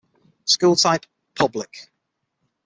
School type: Public.